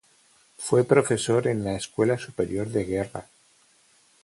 Fue profesor en la Escuela Superior de Guerra.